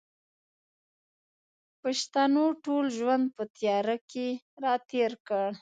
پښتنو ټول ژوند په تیاره کښې را تېر کړ